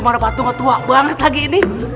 mana patungnya tua banget lagi ini